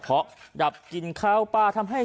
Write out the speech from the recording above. เป็นระบาปช่วยขับลมในกระเพาะ